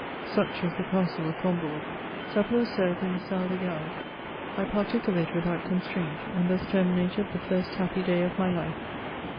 Such was the Castle of Com bourg. Supper was served in the " Salle des Gardes." I partook of it without constraint, and thus terminated the first happy day of my life.